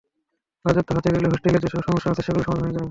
রাজস্ব খাতে গেলে হোস্টেলের যেসব সমস্যা আছে সেগুলো সমাধান হয়ে যাবে।